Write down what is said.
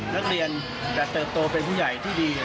นักเรียนจะเติบโตเป็นผู้ใหญ่ที่ดี